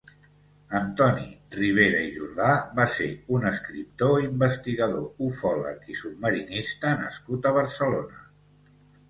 Antoni Ribera i Jordà va ser un escriptor, investigador ufòleg i submarinista nascut a Barcelona.